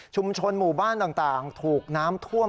หมู่บ้านต่างถูกน้ำท่วม